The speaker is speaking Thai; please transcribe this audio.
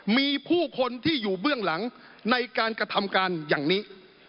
มีผู้คนที่อยู่เบื้องหลังในการกระทำการอย่างนี้